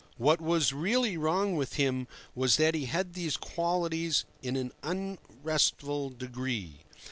What was really wrong with him was that he had these qualities in an unrestful degree.